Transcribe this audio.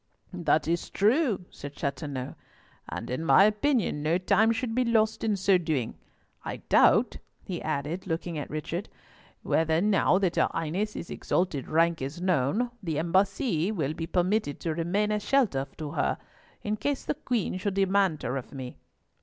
"That is true," said Chateauneuf, "and in my opinion no time should be lost in so doing. I doubt," he added, looking at Richard, "whether, now that her Highness's exalted rank is known, the embassy will be permitted to remain a shelter to her, in case the Queen should demand her of me."